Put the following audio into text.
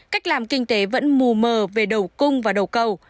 cách làm kinh tế vẫn mù mờ về đầu cung và đầu cầu